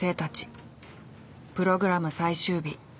プログラム最終日。